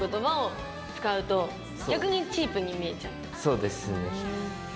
そうですね。